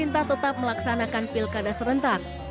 tetap melaksanakan pilkada serentak